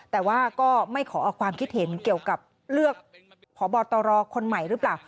แต่ว่าก็ไม่ขอออกความคิดเห็นเกี่ยวกับเลือกพบตรคนใหม่หรือเปล่า